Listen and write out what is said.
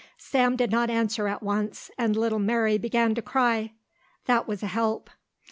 Sam did not answer at once, and little Mary began to cry. That was a help.